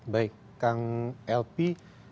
baik kang elpi